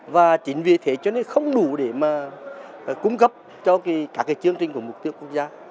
và chính vì thế cho nên không đủ để mà cung cấp cho các chương trình của mục tiêu quốc gia